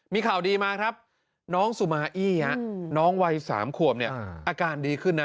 มีข่าวดีมาครับน้องสุมาอี้น้องวัย๓ขวบเนี่ยอาการดีขึ้นนะ